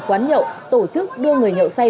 quán nhậu tổ chức đưa người nhậu say